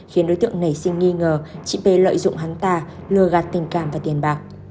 khiến đối tượng nảy sinh nghi ngờ chị p lợi dụng hắn tà lừa gạt tình cảm và tiền bạc